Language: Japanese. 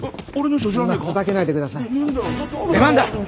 出番だ。